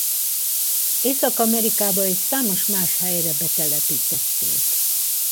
Észak-Amerikába és számos más helyre betelepítették.